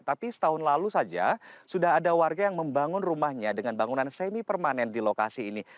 tapi setahun lalu saja sudah ada warga yang membangun rumahnya dengan bangunan semi permanen di lokasi ini